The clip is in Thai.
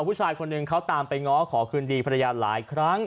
ผู้ชายคนหนึ่งเขาตามไปง้อขอคืนดีภรรยาหลายครั้ง